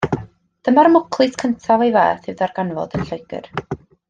Dyma'r mwclis cyntaf o'i fath i'w ddarganfod yn Lloegr.